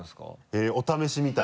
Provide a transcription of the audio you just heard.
へぇお試しみたいな？